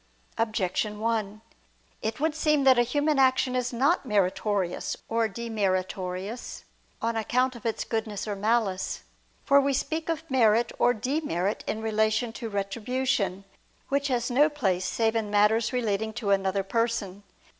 Objection 1: It would seem that a human action is not meritorious or demeritorious on account of its goodness or malice. For we speak of merit or demerit in relation to retribution, which has no place save in matters relating to another person.